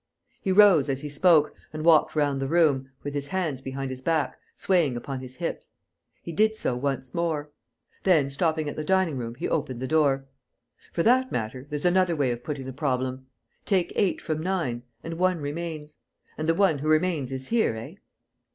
He rose, as he spoke, and walked round the room, with his hands behind his back, swaying upon his hips. He did so once more. Then, stopping at the dining room, he opened the door: "For that matter, there's another way of putting the problem. Take eight from nine; and one remains. And the one who remains is here, eh?